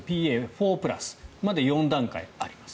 ４プラスまで４段階あります。